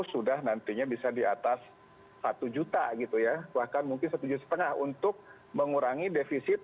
sudah nantinya bisa di atas satu juta gitu ya bahkan mungkin setuju setengah untuk mengurangi defisit